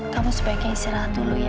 kamu sebaiknya istirahat dulu ya